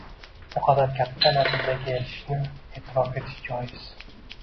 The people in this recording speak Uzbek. bu qadar katta natijaga erishishini e’tirof etish joiz.